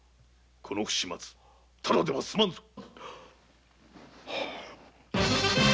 この不始末ただでは済まんぞ。